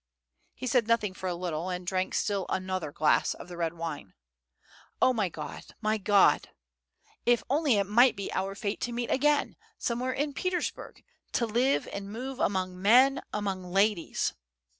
He said nothing for a little, and drank still another glass of the red wine. "Oh, my God, my God! [Footnote: AKH, BOZHE MOI, BOZHE MOI.] If it only might be our fate to meet again, somewhere in Petersburg, to live and move among men, among ladies!"